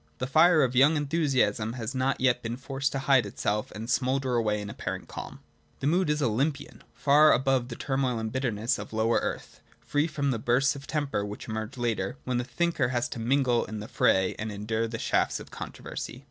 The fire of young enthusiasm has not yet been forced to hide itself and smoulder away in apparent calm. The mood is Olympian — far above the turmoil and bitterness of lower earth, free from the bursts of temper which emerge later, when the thinker has to mingle in the fray and endure the shafts of controversy.